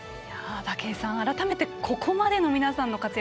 武井さん、改めてここまでの皆さんの活躍